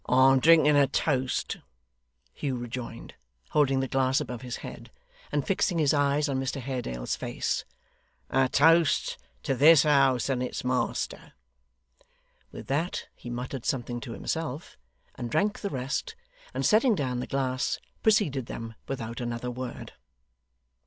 'I'm drinking a toast,' Hugh rejoined, holding the glass above his head, and fixing his eyes on Mr Haredale's face; 'a toast to this house and its master.' With that he muttered something to himself, and drank the rest, and setting down the glass, preceded them without another word.